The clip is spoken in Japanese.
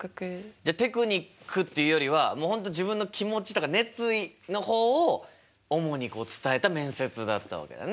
じゃテクニックっていうよりはもう本当自分の気持ちとか熱意のほうを主に伝えた面接だったわけだね。